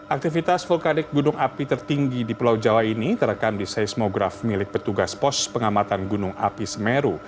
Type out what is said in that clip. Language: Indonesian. aktivitas vulkanik gunung api tertinggi di pulau jawa ini terekam di seismograf milik petugas pos pengamatan gunung api semeru